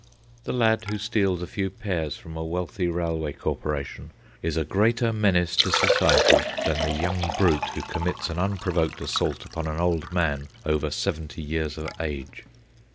The lad who steals a few pears from a wealthy railway corporation is a greater menace to society than the young brute who commits an unprovoked assault upon an old man over seventy years of age.